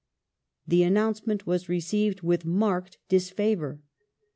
The announcement was received with marked disfavour.